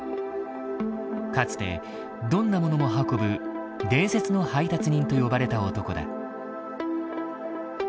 かつてどんなものも運ぶ「伝説の配達人」と呼ばれた男だ。